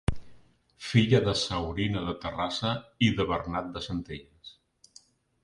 Filla de Saurina de Terrassa i de Bernat de Centelles.